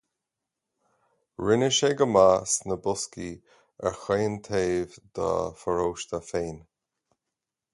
Rinne sé go maith sna boscaí ar chaon taobh dá pharóiste féin.